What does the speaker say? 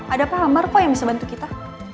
ada pak amar kok yang bisa bantu kita